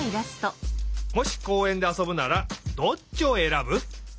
もしこうえんであそぶならどっちをえらぶ？